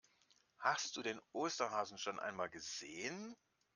Hast du den Osterhasen schon einmal gesehen?